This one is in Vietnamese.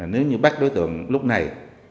nếu như bắt đối tượng lúc này